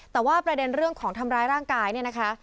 แต่ว่าประเด็นเรื่องของทำร้ายร่างกายเนี่ยนะคะ